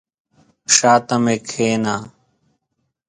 شاته مي کښېنه !